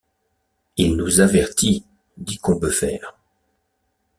Il nous avertit, dit Combeferre.